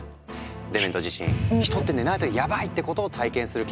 デメント自身「人って寝ないとヤバイ！」ってことを体験する研究になったんだ。